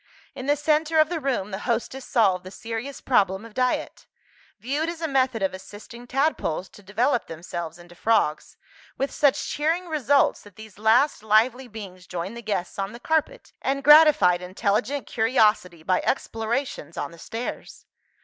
In the centre of the room, the hostess solved the serious problem of diet; viewed as a method of assisting tadpoles to develop themselves into frogs with such cheering results that these last lively beings joined the guests on the carpet, and gratified intelligent curiosity by explorations on the stairs.